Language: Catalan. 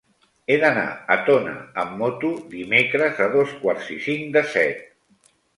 He d'anar a Tona amb moto dimecres a dos quarts i cinc de set.